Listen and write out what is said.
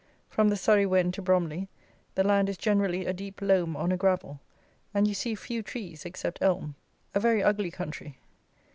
From the Surrey Wen to Bromley the land is generally a deep loam on a gravel, and you see few trees except elm. A very ugly country.